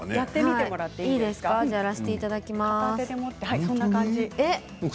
じゃあ、やらせていただきます。